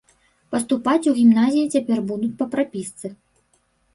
Паступаць у гімназіі цяпер будуць па прапісцы.